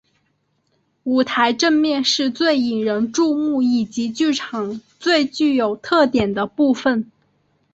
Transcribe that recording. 舞台正面是最引人注目以及剧场最具有特点的部分。